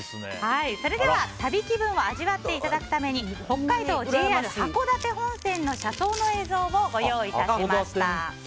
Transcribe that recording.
それでは旅気分を味わっていただくために北海道・ＪＲ函館本線の車窓の映像をご用意致しました。